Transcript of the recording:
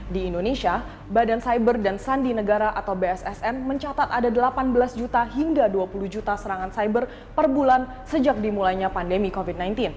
di indonesia badan cyber dan sandi negara atau bssn mencatat ada delapan belas juta hingga dua puluh juta serangan cyber per bulan sejak dimulainya pandemi covid sembilan belas